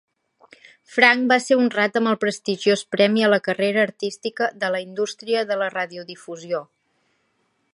Frank va ser honrat amb el prestigiós premi a la carrera artística de la indústria de la radiodifusió.